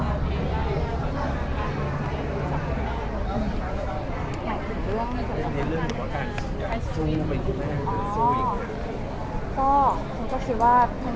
อยากถึงเรื่องเรื่องของการสู้อยากสู้ไปกับแม่